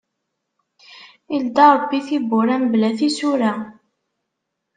Ileddi Ṛebbi tibbura, mebla tisura.